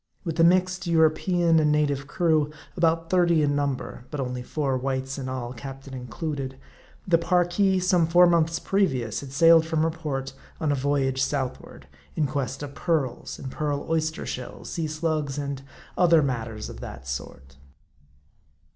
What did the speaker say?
With a mixed European and native crew, about thirty in number (but only four whites in all, captain included), the Parki, some four months previous, had sailed from her port on a voyage southward, in quest of pearls, and pearl oyster shells, sea slugs, and other matters of that sort.